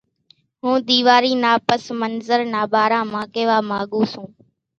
ھون ۮيواري نا پس منظر نا ٻارا مان ڪيوا ماڳون سون